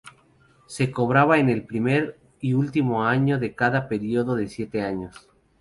Se cobraba en el primer y último año de cada periodo de siete años.